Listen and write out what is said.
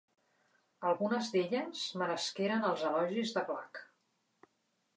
Algunes d'elles meresqueren els elogis de Gluck.